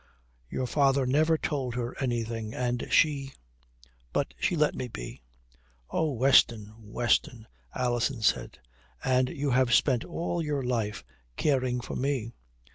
Your father never told her anything, and she but she let me be." "Oh, Weston, Weston," Alison said. "And you have spent all your life caring for me."